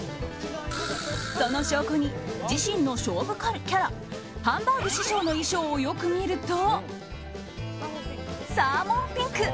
その証拠に自身の勝負キャラハンバーグ師匠の衣装をよく見るとサーモンピンク。